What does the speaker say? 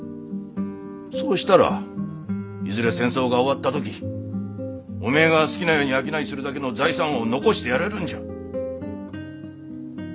そうしたらいずれ戦争が終わった時おめえが好きなように商いするだけの財産を残してやれるんじゃ。